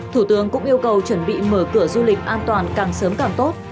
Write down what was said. thủ tướng cũng yêu cầu chuẩn bị mở cửa du lịch an toàn càng sớm càng tốt